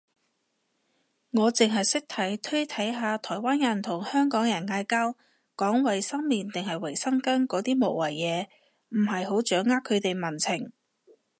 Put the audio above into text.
我剩係識睇推睇下台灣人同香港人嗌交，講衛生棉定衛生巾嗰啲無謂嘢，唔係好掌握佢哋民情